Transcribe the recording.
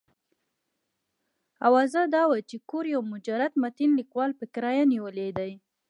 اوازه دا وه چې کور یو مجرد متین لیکوال په کرایه نیولی دی.